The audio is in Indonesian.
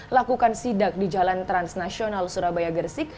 lakukan sidak di jalan transnasional surabaya gersik